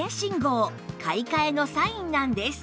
買い替えのサインなんです